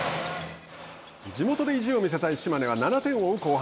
地元で意地を見せたい島根は７点を追う後半。